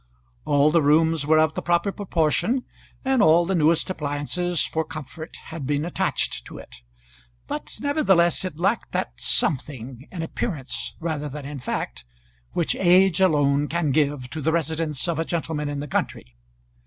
All the rooms were of the proper proportion, and all the newest appliances for comfort had been attached to it. But nevertheless it lacked that something, in appearance rather than in fact, which age alone can give to the residence of a gentleman in the country.